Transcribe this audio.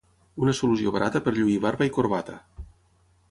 una solució barata per lluir barba i corbata